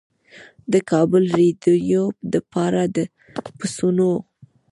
د کابل رېډيؤ دپاره پۀ سوونو